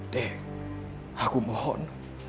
deh aku mohon